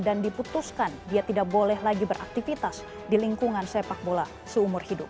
dan diputuskan dia tidak boleh lagi beraktivitas di lingkungan sepak bola seumur hidup